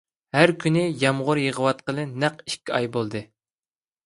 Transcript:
ھەر كۈنى يامغۇر يېغىۋاتقىلى نەق ئىككى ئاي بولدى.